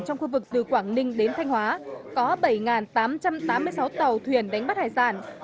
trong khu vực từ quảng ninh đến thanh hóa có bảy tám trăm tám mươi sáu tàu thuyền đánh bắt hải sản